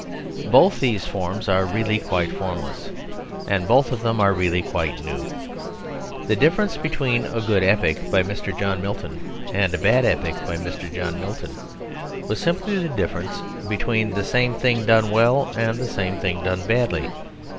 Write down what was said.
Both these forms are really quite formless, and both of them are really quite new. The difference between a good epic by Mr. John Milton and a bad epic by Mr. John Smith was simply the difference between the same thing done well and the same thing done badly.